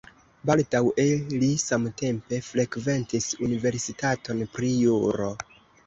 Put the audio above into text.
Baldaŭe li samtempe frekventis universitaton pri juro.